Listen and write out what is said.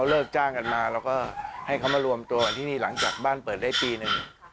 แล้วก็ให้เขามารวมตัวกันที่นี่หลังจากบ้านเปิดได้ปีหนึ่ง